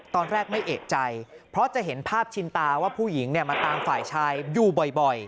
ตอนแรกไม่เอกใจเพราะจะเห็นภาพชินตาว่าผู้หญิงมาตามฝ่ายชายอยู่บ่อย